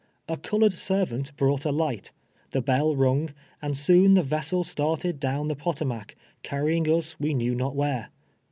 A colored servant hrought a Hglit, the hell rung, and soon the vessel started down the Potomac, carrying us we knew not where.